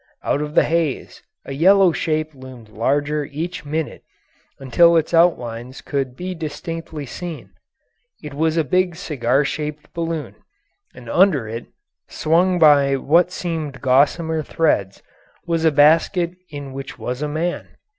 Out of the haze a yellow shape loomed larger each minute until its outlines could be distinctly seen. It was a big cigar shaped balloon, and under it, swung by what seemed gossamer threads, was a basket in which was a man.